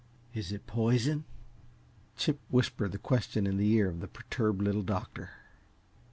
"Is it poison?" Chip whispered the question in the ear of the perturbed Little Doctor.